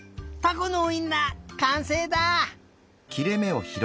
このウインナーかんせいだ！